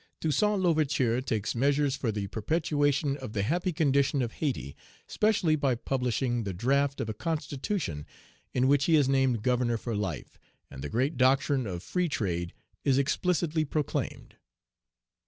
Toussaint L'Ouverture takes measures for the perpetuation of the happy condition of Hayti, specially by publishing the draft of a Constitution in which he is named governor for life, and the great doctrine of Freetrade is explicitly proclaimed.